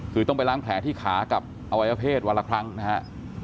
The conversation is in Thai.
คือต้องไปล้างแผลที่ขากับอวัยวเพศวันละครั้งนะฮะ